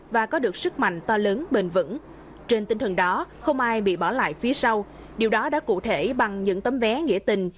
và có được sức mạnh to lớn bền vững trên tinh thần đó không ai bị bỏ lại phía sau điều đó đã cụ thể bằng những tấm vé nghĩa tình